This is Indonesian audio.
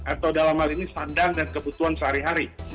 atau dalam hal ini sandang dan kebutuhan sehari hari